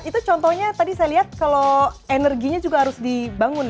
itu contohnya tadi saya lihat kalau energinya juga harus dibangun